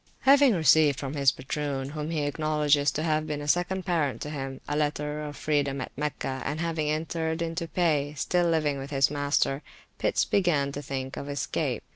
Having received from his patroon, whom he acknowledges to have been a second parent to him, a letter of freedom at Meccah and having entered into pay, still living with his master, Pitts began to think of escape.